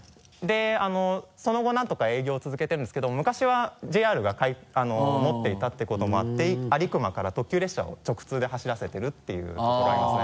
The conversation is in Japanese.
その後なんとか営業を続けてるんですけども昔はＪＲが持っていたということもあって安里隈から特急列車を直通で走らせているっていうところありますね